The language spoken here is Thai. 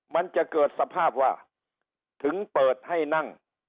มันจะเกิดสภาพว่าถึงเปิดให้นั่ง